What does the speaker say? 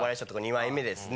２枚目ですね。